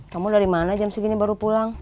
kamu dari mana jam segini baru pulang